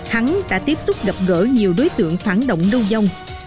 hắn đã tiếp xúc gặp gỡ nhiều đối tượng phản động lưu dông